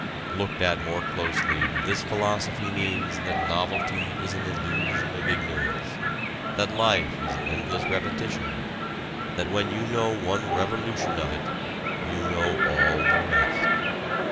Looked at more closely this philosophy means that novelty is an illusion of ignorance, that life is an endless repetition, that when you know one revolution of it, you know all the rest.